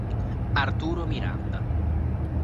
Arturo Miranda